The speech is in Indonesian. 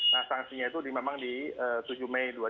nah sangsinya itu memang di tujuh mei